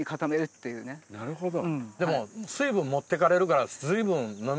なるほど。